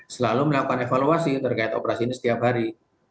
selalu melakukan evaluasi terkait operasi ini setiap hari